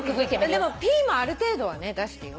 でもピーもある程度はね出してよ。